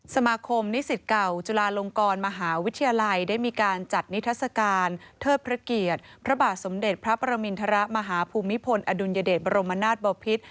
สมาคมนิสิตเก่าจุฬาลงกรมหาวิทยาลัยได้มีการจัดนิทัศกาลเทิดพระเกียรติพระบาทสมเด็จพระประมินทรมาฮภูมิพลอดุลยเดชบรมนาศบอพิษ